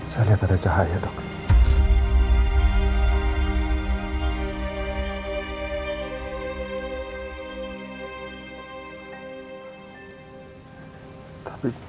bagaimana kabungan yang terjadi